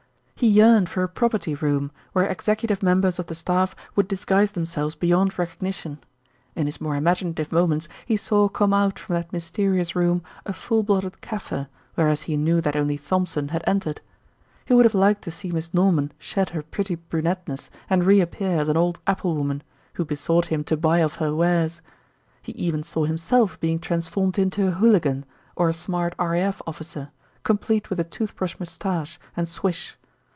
He yearned for a "property room," where executive members of the staff would disguise themselves beyond recognition. In his more imaginative moments he saw come out from that mysterious room a full blooded Kaffir, whereas he knew that only Thompson had entered. He would have liked to see Miss Norman shed her pretty brunetteness and reappear as an old apple woman, who besought him to buy of her wares. He even saw himself being transformed into a hooligan, or a smart R.A.F. officer, complete with a toothbrush moustache and "swish."